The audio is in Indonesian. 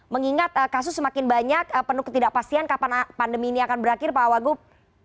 mengingat kasus semakin banyak penuh ketidakpastian kapan pandemi ini akan berakhir pak wagub